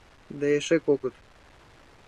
Да эше кокыт!..